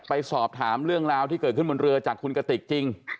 ไปสอบถามเรื่องราวที่เกิดขึ้นบนเรือจากคุณกติกจริง